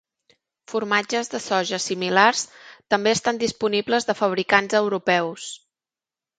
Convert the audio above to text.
Formatges de soja similars també estan disponibles de fabricants europeus.